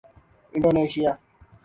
Indonesia